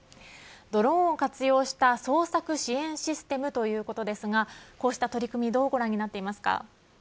ドローンを活用した捜索支援システムということですがこうした取り組みどうご覧になっていますか。